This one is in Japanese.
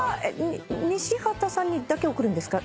西畑さんにだけ送るんですか？